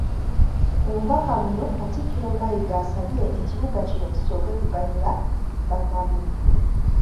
Mu bubaka buno Katikkiro Mayiga asabye ekibuga kino kisooke kuganyula bannabuddu.